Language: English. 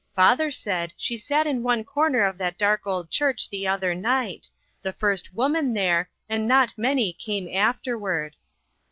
Father said she sat in one corner of that dark old church the other night ; the first woman there, and not many came afterward."